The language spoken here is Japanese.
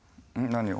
何を？